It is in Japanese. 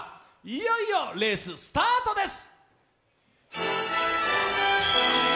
いよいよレーススタートです。